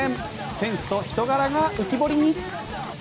センスと人柄が浮き彫りに。